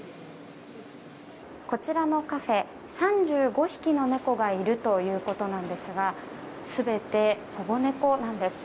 こちらのカフェ３５匹の猫がいるということなんですが全て保護猫なんです。